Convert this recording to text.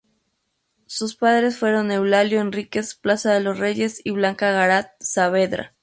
Sus padres fueron Eulalio Henríquez Plaza de los Reyes y Blanca Garat Saavedra.